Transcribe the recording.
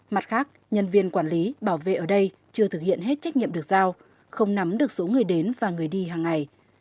mặt khác nhân viên quản lý bảo vệ ở đây chưa thực hiện hết trách nhiệm được giao không nắm được số người đến và người đi hàng ngày